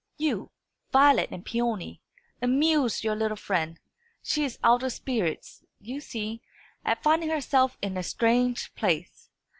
You, Violet and Peony, amuse your little friend. She is out of spirits, you see, at finding herself in a strange place.